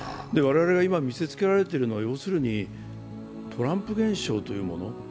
我々が今、見せつけられているのはトランプ現象というもの。